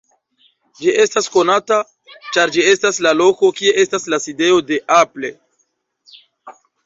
Ĝi estas konata, ĉar ĝi estas la loko, kie estas la sidejo de Apple.